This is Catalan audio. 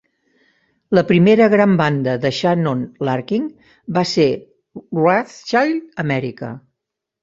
La primera gran banda de Shannon Larkin va ser Wrathchild America.